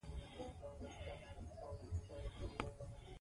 ازادي راډیو د بهرنۍ اړیکې اړوند مرکې کړي.